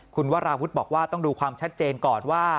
คุณวราวุฒิบอกว่าต้องดูความชัดเจนก่อนว่า